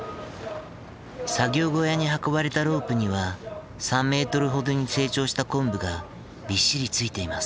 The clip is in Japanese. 作業小屋に運ばれたロープには３メートルほどに成長したコンブがびっしりついています。